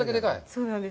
そうなんです。